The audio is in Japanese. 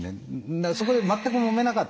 だからそこで全くもめなかったんですよ。